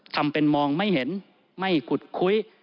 ทำเป็นมองไม่เห็นไม่ขุดคุ้ย